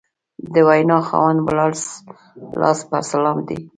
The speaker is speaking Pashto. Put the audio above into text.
د وینا خاوند ولاړ لاس په سلام دی